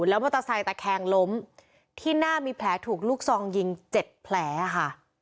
แล้วมอเตอร์ไซค์ตะแคงล้มที่หน้ามีแผลถูกลูกซองยิงเจ็ดแผลค่ะ